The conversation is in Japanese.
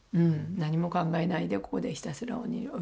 何も考えないでここでひたすらお祈りする。